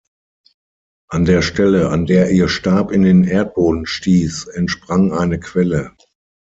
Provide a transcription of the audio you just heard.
An der Stelle, an der ihr Stab in den Erdboden stieß, entsprang eine Quelle.